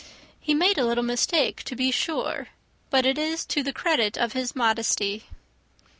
"He made a little mistake, to be sure; but it is to the credit of his modesty."